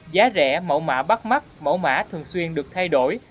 giá rẻ mẫu mã bắt mắt mẫu mã thường xuyên được thay đổi